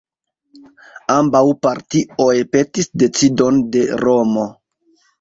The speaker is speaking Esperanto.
Ambaŭ partioj petis decidon de Romo.